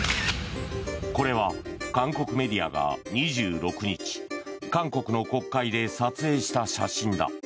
これは韓国メディアが２６日韓国の国会で撮影した写真だ。